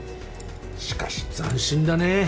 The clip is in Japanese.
しかし斬新だね。